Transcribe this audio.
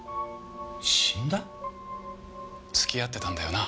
死んだ？付き合ってたんだよな？